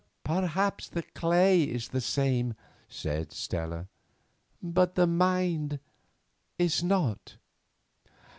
"Perhaps the clay is the same," said Stella, "but the mind is not."